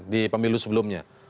di pemilu sebelumnya